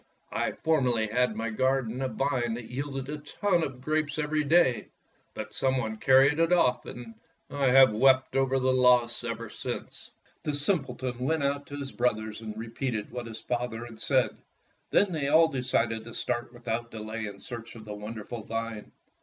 I formerly had in my garden a vine that yielded a ton of grapes every day, but some one carried it off, and I have wept over its loss ever since.'' The simpleton went out to his brothers and repeated what his father had said. Then they all decided to start without delay in search of the wonderful vine.